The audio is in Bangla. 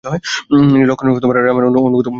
ইনি লক্ষ্মণ ও রামের অনুগত ও সহায় ছিলেন।